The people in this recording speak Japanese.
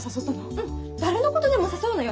うん誰のことでも誘うのよ。